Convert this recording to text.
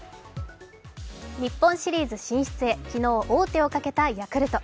日本シリーズ進出へ、昨日、王手をかけたヤクルト。